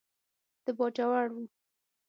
د باجوړ و.